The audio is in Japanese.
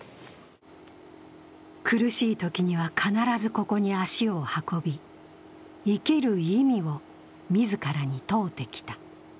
苦しいときには必ずここに足を運び、生きる意味を自らに問うてきた。